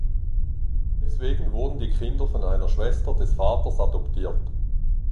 Deswegen wurden die Kinder von einer Schwester des Vaters adoptiert.